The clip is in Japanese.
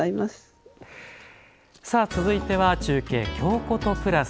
さあ続いては中継「京コト＋」。